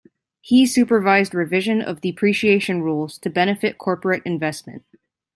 He supervised revision of depreciation rules to benefit corporate investment.